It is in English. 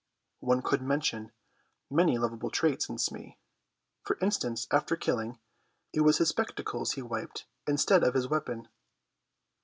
One could mention many lovable traits in Smee. For instance, after killing, it was his spectacles he wiped instead of his weapon.